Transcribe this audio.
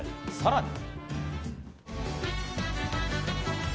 さらに。